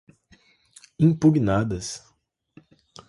impugnadas